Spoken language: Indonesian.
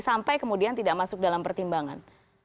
sampai kemudian tidak masuk dalam pertimbangan